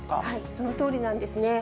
そのとおりなんですね。